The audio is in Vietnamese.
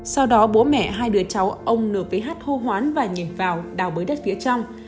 sau đó bố mẹ hai đứa cháu ông nvh hô hoán và nhảy vào đào bới đất phía trong